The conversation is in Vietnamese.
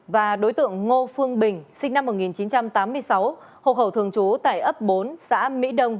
và đối tượng ngô phương bình sinh năm một nghìn chín trăm tám mươi sáu hộ khẩu thường trú tại ấp bốn xã mỹ đông